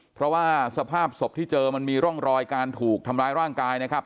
เพราะว่าสภาพศพที่เจอมันมีร่องรอยการถูกทำร้ายร่างกายนะครับ